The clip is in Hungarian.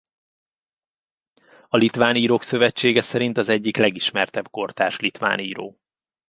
A Litván Írók Szövetsége szerint az egyik legismertebb kortárs litván író.